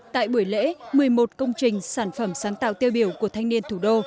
tại buổi lễ một mươi một công trình sản phẩm sáng tạo tiêu biểu của thanh niên thủ đô